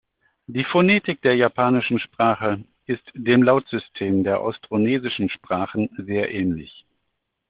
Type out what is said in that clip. Die Phonetik der japanischen Sprache ist dem Lautsystem der austronesischen Sprachen sehr ähnlich.